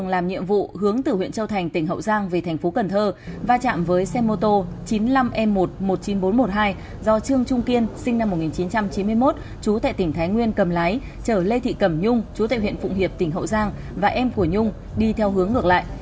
lê thị cẩm nhung chú tệ huyện phụng hiệp tỉnh hậu giang và em của nhung đi theo hướng ngược lại